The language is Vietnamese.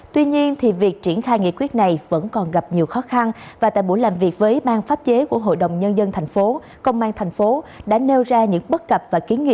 tuy nhiên việc triển khai nghị quyết này vẫn còn gặp nhiều khó khăn và tại buổi làm việc với ban pháp chế của hnthh công an thành phố đã nêu ra những bất cập và kiến thức